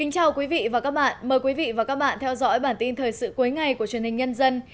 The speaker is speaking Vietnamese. chào mừng quý vị đến với bản tin thời sự cuối ngày của truyền hình nhân dân